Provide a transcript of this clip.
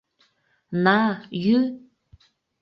На, йӱ!..